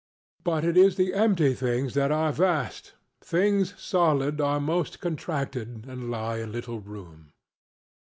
But it is the empty things that are vast things solid are most contracted and lie in little room.